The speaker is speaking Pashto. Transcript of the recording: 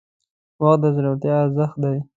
• وخت د زړورتیا ارزښت دی.